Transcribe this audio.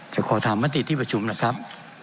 ขอถามมติที่ประชุมนะครับ